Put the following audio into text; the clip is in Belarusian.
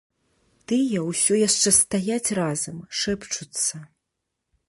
Тыя ўсё яшчэ стаяць разам, шэпчуцца.